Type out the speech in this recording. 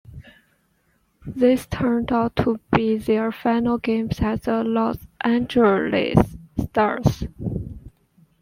This turned out to be their final game as the Los Angeles Stars.